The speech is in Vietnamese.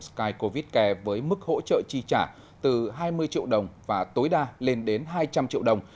sky covid với mức hỗ trợ chi trả từ hai mươi triệu đồng và tối đa lên đến hai trăm linh triệu đồng